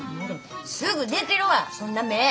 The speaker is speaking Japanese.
すぐでけるわそんな目ぇ！